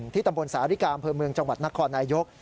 ตำบลสาริกาอำเภอเมืองจังหวัดนครนายก